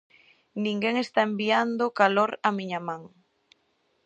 Ninguén está enviando calor á miña man.